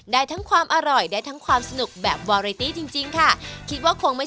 ได้ทั้งความอร่อยได้ทั้งความสนุกแบบจริงจริงค่ะคิดว่าคงไม่ใช่แค่นักเล่าเส้นของเรา